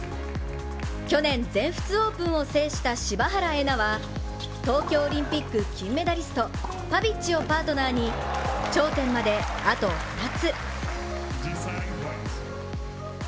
去年、全仏オープンを制した柴原瑛菜は東京オリンピック金メダリスト・パビッチをパートナーに頂点まであと２つ。